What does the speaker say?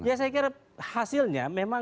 ya saya kira hasilnya memang